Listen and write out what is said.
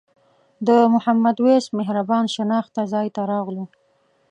د محمد وېس مهربان شناخته ځای ته راغلو.